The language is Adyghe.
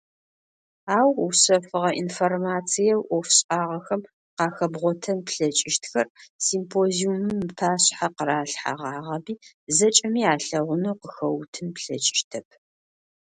Ау, ушъэфыгъэ информациеу ӏофшӏагъэхэм къахэбгъотэн плъэкӏыщтхэр, симпозиумым ыпашъхьэ къыралъхьэгъагъэми, зэкӏэми алъэгъунэу къыхэуутын плъэкӏыщтэп.